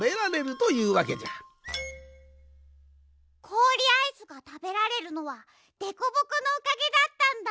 こおりアイスがたべられるのはでこぼこのおかげだったんだ！